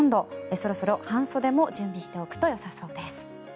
そろそろ半袖も準備しておくとよさそうです。